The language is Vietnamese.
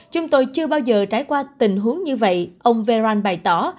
chúng tôi chưa bao giờ trải qua tình huống như vậy ông veron bày tỏ